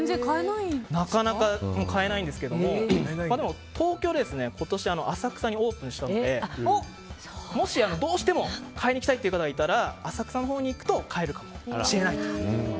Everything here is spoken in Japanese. なかなか買えないんですけどでも、東京で今年浅草に店がオープンしたのでもしどうしても買いに行きたい方がいたら浅草のほうに行くと買えるかもしれないと。